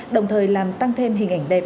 đồng thời làm tăng thêm hình ảnh đẹp